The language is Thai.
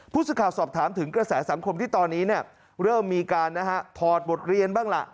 ผู้สื่อข่าวสอบถามถึงกระแสสังคมที่ตอนนี้เริ่มมีการถอดบทเรียนบ้างล่ะ